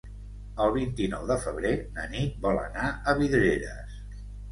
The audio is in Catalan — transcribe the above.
El vint-i-nou de febrer na Nit vol anar a Vidreres.